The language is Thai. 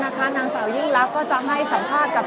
และที่อยู่ด้านหลังคุณยิ่งรักนะคะก็คือนางสาวคัตยาสวัสดีผลนะคะ